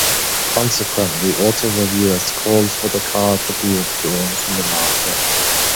Consequently, Autoreview has called for the car to be withdrawn from the market.